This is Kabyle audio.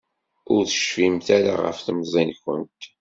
Ur tecfimt ara ɣef temẓi-nkent.